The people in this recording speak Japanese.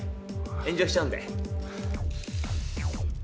炎上しちゃうんで。